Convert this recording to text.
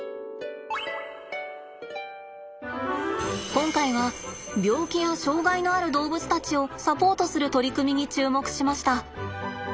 今回は病気や障がいのある動物たちをサポートする取り組みに注目しました。